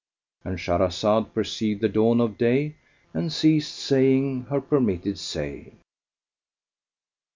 "—And Shahrazad perceived the dawn of day and ceased saying her permitted say.